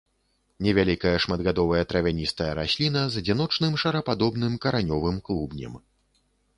Невялікая шматгадовая травяністая расліна з адзіночным шарападобным каранёвым клубнем.